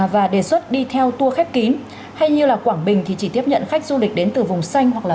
và đề xuất đi theo tour khép kín hay như là quảng bình thì chỉ tiếp nhận khách du lịch đến từ vùng xanh hoặc là